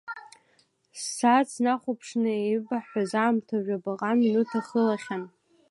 Ссааҭ снахәаԥшны, еибаҳҳәаз аамҭа жәабаҟа минуҭ ахылахьан.